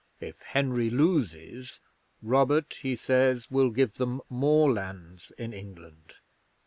If Henry loses, Robert, he says, will give them more lands in England.